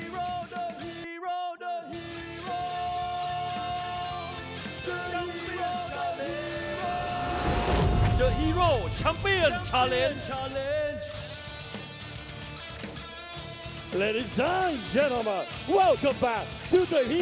โปรดติดตามต่อไป